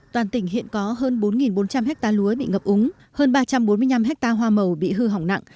toàn tỉnh hiện có hơn bốn bốn trăm linh hectare lúa bị ngập úng hơn ba trăm bốn mươi năm ha hoa màu bị hư hỏng nặng